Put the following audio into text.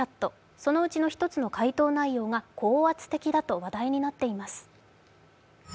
そのうちの１つの回答内容が高圧的だと話題になっています。